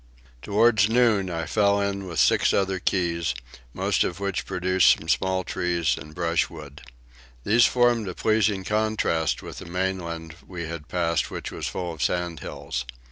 Towards noon I fell in with six other keys, most of which produced some small trees and brushwood. These formed a pleasing contrast with the mainland we had passed which was full of sandhills.